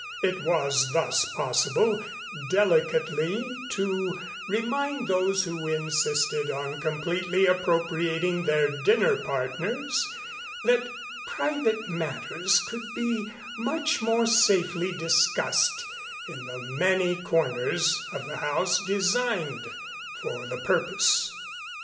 It was thus possible delicately to remind those who insisted on completely appropriating their dinner partners that private matters could be much more safely discussed in the many corners of the house designed for the purpose.